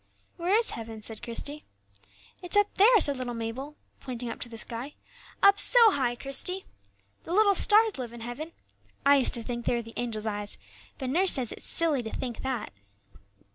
"Where is heaven?" said Christie. "It's up there," said little Mabel, pointing up to the sky; "up so high, Christie. The little stars live in heaven; I used to think they were the angels' eyes, but nurse says it's silly to think that."